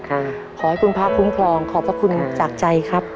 ขอให้คุณพระคุ้มครองขอบพระคุณจากใจครับ